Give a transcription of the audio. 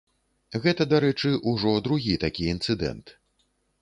Гэта, дарэчы, ужо другі такі інцыдэнт.